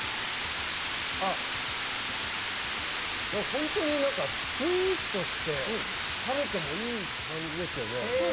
本当にスイーツとして食べてもいい感じですよね。